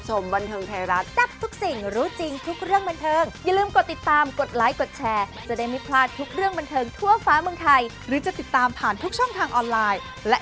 โชคดีนะคนที่ได้ร่วมงานอเด่นเนาะ